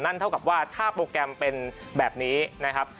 เท่ากับว่าถ้าโปรแกรมเป็นแบบนี้นะครับ